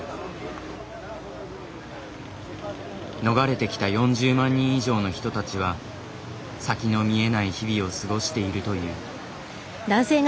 逃れてきた４０万人以上の人たちは先の見えない日々を過ごしているという。